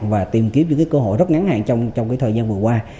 và tìm kiếm những cái cơ hội rất ngắn hạn trong cái thời gian vừa qua